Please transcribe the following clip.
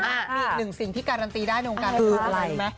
มีหนึ่งสิ่งที่การันตีได้ในวงการนี้คืออะไร